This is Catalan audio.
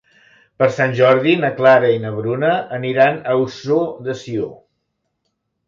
Per Sant Jordi na Clara i na Bruna aniran a Ossó de Sió.